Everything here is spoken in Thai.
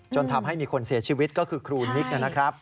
จนทำให้มีคนเสียชีวิตก็คือครูนิกนะครับ